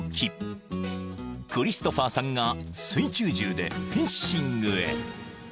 ［クリストファーさんが水中銃でフィッシングへ］